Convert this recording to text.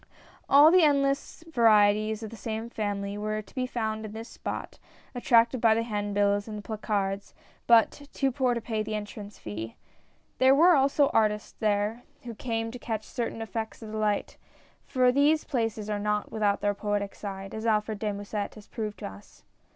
All the endless varieties of the same family were to be found in this spot, attracted by the hand bills and the placards, but too poor to pay the entrance fee. There were also artists there, who came to catch cer tain effects of light, for these places are not without their poetic side, as Alfred de Musset has proved to us.